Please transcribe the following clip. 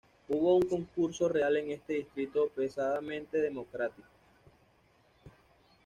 Hubo un concurso real en este distrito pesadamente Democrático.